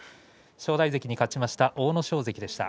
正代関に勝ちました阿武咲関でした。